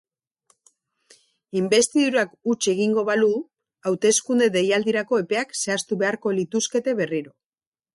Inbestidurak huts egingo balu, hauteskunde deialdirako epeak zehaztu beharko lituzkete berriro.